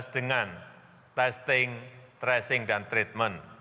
dengan testing tracing dan treatment